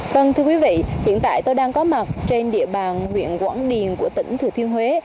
vâng thưa quý vị hiện tại tôi đang có mặt trên địa bàn huyện quảng điền của tỉnh thừa thiên huế